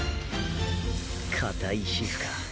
硬い皮膚か。